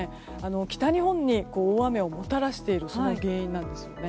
北日本に大雨をもたらしているその原因なんですよね。